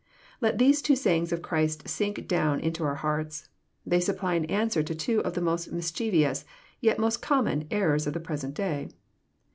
Let these two sajangs of Christ sink down into our hearts. They supply an answer to two of the most mis chievous, yet most common, errors of the present day.